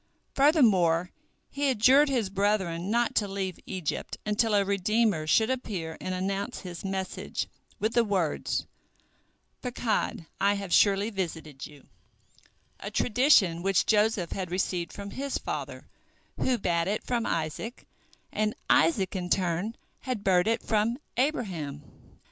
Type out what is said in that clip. Furthermore, he adjured his brethren not to leave Egypt until a redeemer should appear and announce his message with the words, "Pakod— I have surely visited you"—a tradition which Joseph had received from his father, who bad it from Isaac, and Isaac in turn had beard it from Abraham.